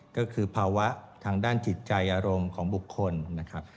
ก็คือภาวะทางด้านจิตใจอารมณ์ของบุคคลนะครับ